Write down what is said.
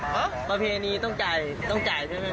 ฮะประเพณีต้นตายเต้นตายใช่ไหม